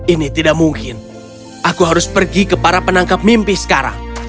ini tidak mungkin aku harus pergi ke para penangkap mimpi sekarang